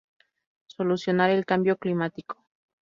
Solucionar el cambio climático.